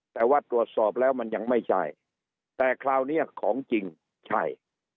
แต่ว่าตรวจสอบแล้วมันยังไม่ใช่แต่คราวนี้ของจริงใช่